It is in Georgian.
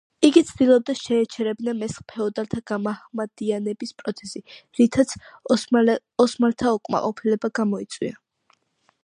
იგი ცდილობდა შეეჩერებინა მესხ ფეოდალთა გამაჰმადიანების პროცესი, რითაც ოსმალთა უკმაყოფილება გამოიწვია.